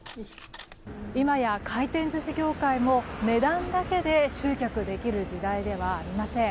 今や回転寿司業界も値段だけで集客できる時代ではありません。